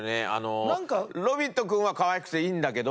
ロビットくんはかわいくていいんだけど。